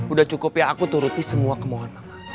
udah cukup ya aku turutin semua kemohonan